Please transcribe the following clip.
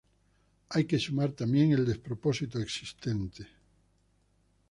Hay que sumar también el despropósito existente